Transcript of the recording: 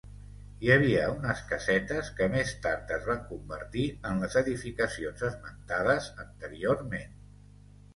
Hi havia unes casetes, que més tard es van convertir en les edificacions esmentades anteriorment.